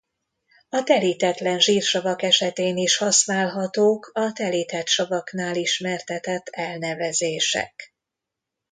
A telítetlen zsírsavak esetén is használhatók a telített savaknál ismertetett elnevezések.